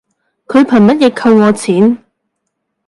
佢憑乜嘢扣我錢